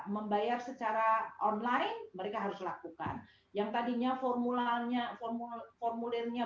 membayar secara online mereka harus lakukan yang tadinya formulernya